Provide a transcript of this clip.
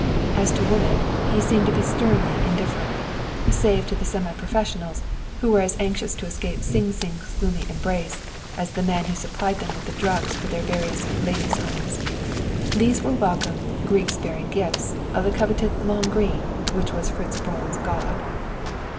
As to woman, he seemed to be sternly indifferent, Save to the semi professionals who were as anxious to escape Sing Sing's gloomy embrace as the man who supplied them with the drugs for their various "Ladies' Homes." These were welcome "Greeks bearing gifts" of the coveted "long green" which was Fritz Braun's god.